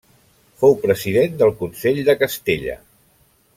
Fou president del Consell de Castella.